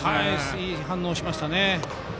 いい反応しました。